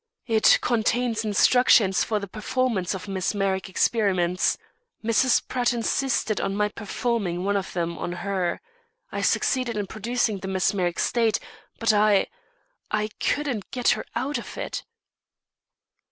"It contains instructions for the performance of mesmeric experiments. Mrs. Pratt insisted on my performing one of them on her. I succeeded in producing the mesmeric state, but I I couldn't get her out of it."